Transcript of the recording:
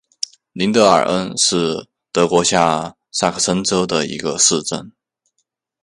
林德尔恩是德国下萨克森州的一个市镇。